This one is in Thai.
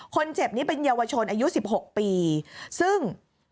คนเจ็บนี้เป็นเยาวชนอายุ๑๖ปีซึ่ง